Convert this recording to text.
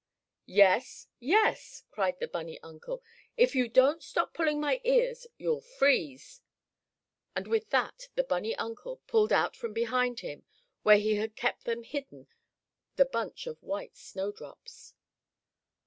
"Yes! Yes!" cried the bunny uncle. "If you don't stop pulling my ears you'll freeze!" and with that the bunny uncle pulled out from behind him, where he had kept them hidden, the bunch of white snowdrops.